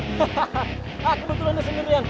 hahaha ah kebetulan dia sendirian